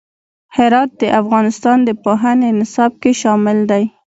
هرات د افغانستان د پوهنې نصاب کې شامل دی.